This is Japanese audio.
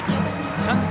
チャンス